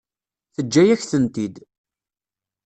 Teǧǧa-yak-tent-id.